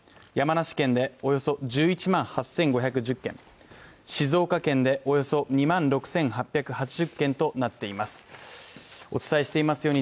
山梨県でおよそ１１万８５１０軒、静岡県でおよそ２万６８８０軒となっています。